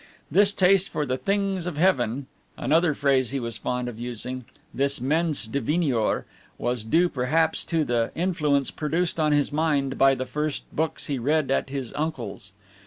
This taste for the "things of heaven," another phrase he was fond of using, this mens divinior, was due perhaps to the influence produced on his mind by the first books he read at his uncle's.